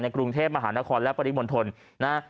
ในกรุงเทพฯมหานครและปฏิบัติมนตร